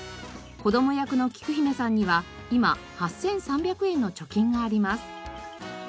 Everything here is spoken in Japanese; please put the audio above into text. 子ども役のきく姫さんには今８３００円の貯金があります。